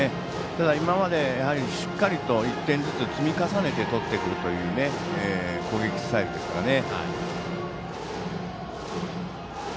ただ、今までしっかりと１点ずつ積み重ねてとってくるという攻撃スタイルですからね。